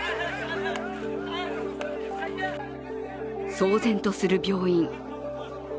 騒然とする病院。